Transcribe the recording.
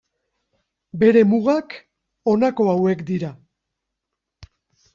Bere mugak, honako hauek dira.